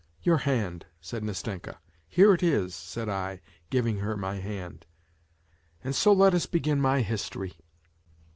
" Your hand," said Nastenka. " Here it is," said I, giving her my hand. " And so let us begin my history